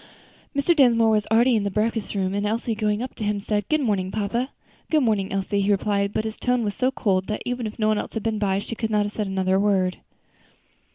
Mr. Dinsmore was already in the breakfast room, and Elsie, going up to him, said, "Good morning, papa." "Good morning, Elsie," he replied, but his tone was so cold that even if no one else had been by, she could not have said another word.